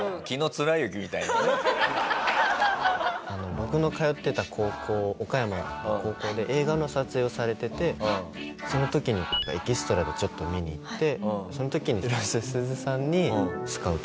僕の通ってた高校岡山の高校で映画の撮影をされててその時に僕がエキストラでちょっと見に行ってその時にえっ！？